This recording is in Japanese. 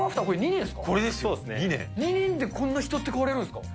２年でこんな人って変われるんですか？